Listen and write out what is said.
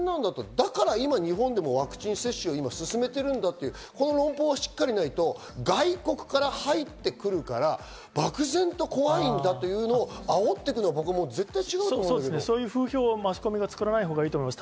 だから今、日本でもワクチン接種を進めているんだというこの論法がしっかりしないと、外国から入ってくるから漠然と怖いんだというのを煽っていくのはそういう風評をマスコミが作らないほうがいいと思います。